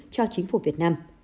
cho chính phủ việt nam